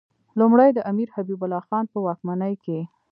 لومړی د امیر حبیب الله خان په واکمنۍ کې.